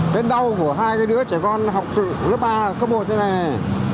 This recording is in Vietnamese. cái đau của hai cái đứa trẻ con học lớp ba cấp một thế này nè